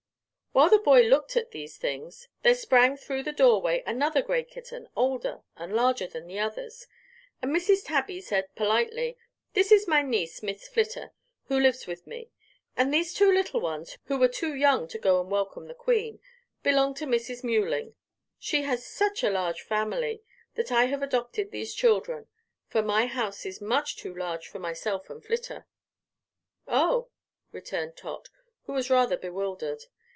While the boy looked at these things there sprang through the doorway another gray kitten, older and larger than the others, and Mrs. Tabby said, politely: "This is my niece, Miss Flitter, who lives with me; and these two little ones, who were too young to go and welcome the Queen, belong to Mrs. Mewling. She has such a large family that I have adopted these children, for my house is much too large for myself and Flitter." "Oh," returned Tot, who was rather bewildered.